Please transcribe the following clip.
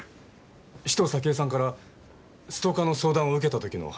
紫藤咲江さんからストーカーの相談を受けた時の話ですか？